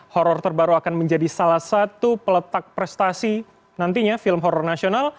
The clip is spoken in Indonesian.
horror terbaru akan menjadi salah satu peletak prestasi nantinya film horror nasional